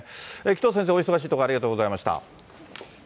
紀藤先生、お忙しいところ、ありがとうございました。